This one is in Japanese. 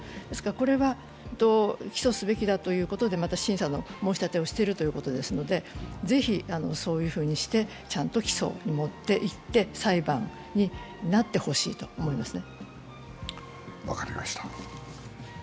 これは起訴すべきだということで、また審査の申し立てをしているということですのでぜひそういうふうにしてちゃんと起訴にもっていって、裁判になってほしいと思います。